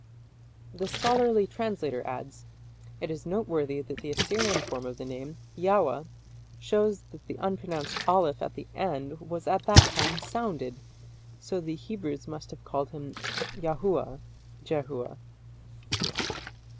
The scholarly translator adds, "It is noteworthy that the Assyrian form of the name, Yaua, shows that the unpronounced aleph at the end was at that time sounded, so that the Hebrews must have called him Yahua (Jehua)".